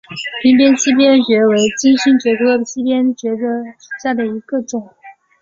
屏边溪边蕨为金星蕨科溪边蕨属下的一个种。